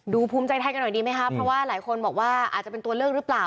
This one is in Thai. ภูมิใจไทยกันหน่อยดีไหมคะเพราะว่าหลายคนบอกว่าอาจจะเป็นตัวเลือกหรือเปล่า